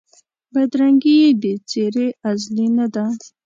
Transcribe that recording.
بدرنګي یې د څېرې ازلي نه ده